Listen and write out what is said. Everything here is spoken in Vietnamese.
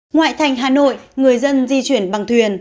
ngoại thành hà nội người dân di chuyển bằng thuyền